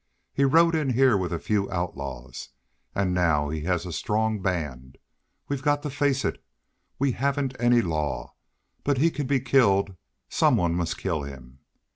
He rode in here with a few outlaws and now he has a strong band. We've got to face it. We haven't any law, but he can be killed. Some one must kill him.